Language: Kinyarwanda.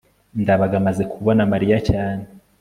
ndabaga amaze kubona mariya cyane